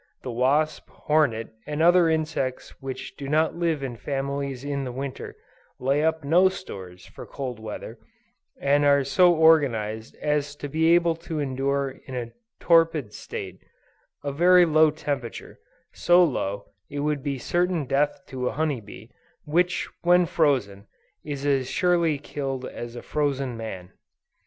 The wasp, hornet, and other insects which do not live in families in the Winter, lay up no stores for cold weather, and are so organized as to be able to endure in a torpid state, a very low temperature; so low that it would be certain death to a honey bee, which when frozen, is as surely killed as a frozen man.